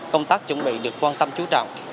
công tác chuẩn bị được quan tâm chú trọng